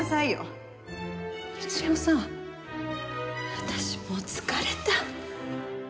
私もう疲れた。